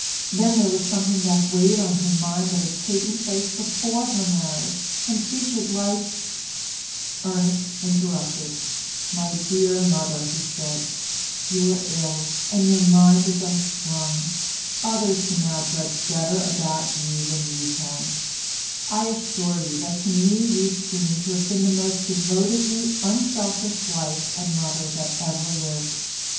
Then there was something that weighed on her mind that had taken place before her marriage, and she should like— Ernest interrupted: "My dear mother," he said, "you are ill and your mind is unstrung; others can now judge better about you than you can; I assure you that to me you seem to have been the most devotedly unselfish wife and mother that ever lived.